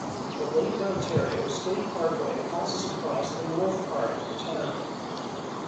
The Lake Ontario State Parkway passes across the north part of the town.